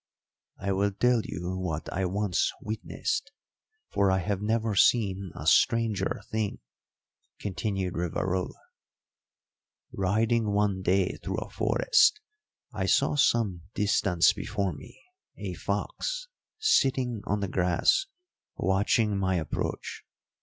"I will tell you what I once witnessed, for I have never seen a stranger thing," continued Rivarola. "Riding one day through a forest I saw some distance before me a fox sitting on the grass watching my approach.